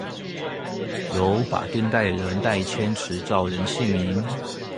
由法定代理人代簽持照人姓名